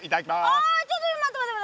あちょっと待った待った。